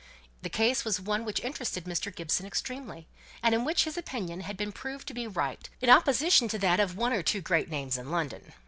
The case was one which interested Mr. Gibson extremely, and in which his opinion had been proved to be right, in opposition to that of one or two great names in London.